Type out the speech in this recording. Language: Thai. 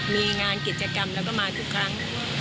มีงานกิจกรรมแล้วก็มาทุกครั้ง